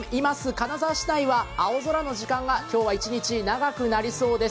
金沢市内は青空の時間が今日一日、長くなりそうです。